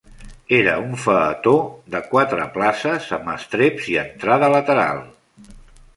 Era un faetó de quatre places amb estreps i entrada lateral.